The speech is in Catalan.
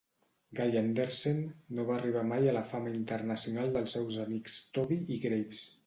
Guy Anderson no va arribar mai a la fama internacional dels seus amics Tobey i Graves.